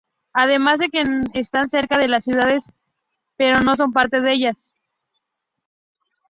Además de que están cerca de las ciudades pero no son parte de ellas.